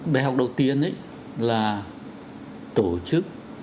bài học đầu tiên là tổ chức